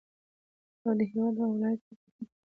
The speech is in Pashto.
او د هېواد او ولايت په گټه ترې كار واخيستل